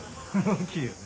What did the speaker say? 大きいよね。